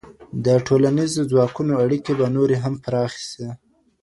د ټولنيزو ځواکونو اړيکي به نوري هم پراخي سي.